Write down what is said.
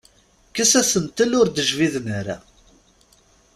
Kkes asentel ur d-jbiden ara.